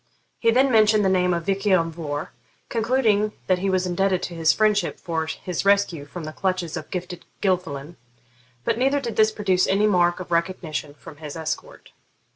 He then mentioned the name of Vich lan Vohr, concluding that he was indebted to his friendship for his rescue from the clutches of Gifted Gilfillan, but neither did this produce any mark of recognition from his escort.